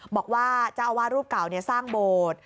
บอกว่าเจ้าอาวาสรูปเก่าสร้างโบสถ์